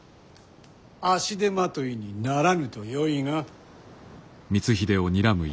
足手まといにならぬとよいが。